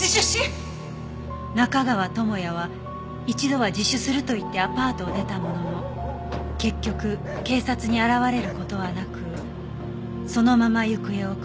「中川智哉は一度は自首すると言ってアパートを出たものの結局警察に現れる事はなくそのまま行方をくらました」